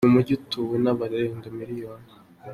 Ubu uyu mujyi utuwe n’abarenga miliyoni.